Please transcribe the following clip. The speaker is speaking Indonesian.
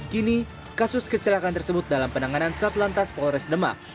kini kasus kecelakaan tersebut dalam penanganan satlantas polres demak